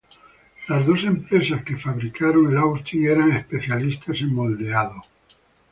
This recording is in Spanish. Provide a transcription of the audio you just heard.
Las dos empresas que fabricaron el Austen eran especialistas en moldeado.